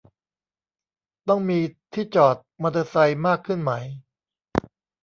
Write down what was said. ต้องมีที่จอดมอเตอร์ไซค์มากขึ้นไหม